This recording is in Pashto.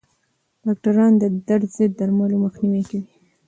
ډاکټران د درد ضد درملو مخنیوی کوي.